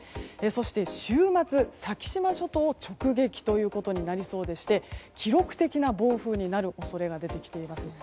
そして週末、先島諸島を直撃ということになりそうでして記録的な暴風になる恐れが出てきています。